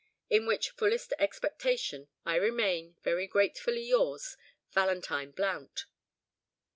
"In which fullest expectation, "I remain, "Very gratefully yours, "VALENTINE BLOUNT."